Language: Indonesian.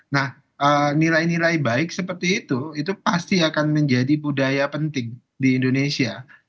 nah nilai nilai baik seperti itu itu pasti akan menjadi budaya penting di indonesia